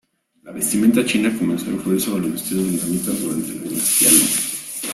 La vestimenta china comenzó a influir sobre los vestidos vietnamitas durante la dinastía Lý.